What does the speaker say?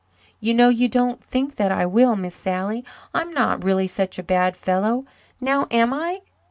"You know you don't think that I will, Miss Sally. I'm not really such a bad fellow, now, am I?"